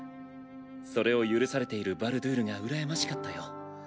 それを許されているバルドゥールが羨ましかったよ。